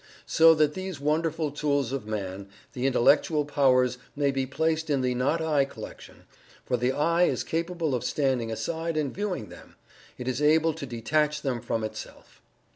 So that these wonderful tools of Man the Intellectual powers may be placed in the "not I" collection, for the "I" is capable of standing aside and viewing them it is able to detach them from itself.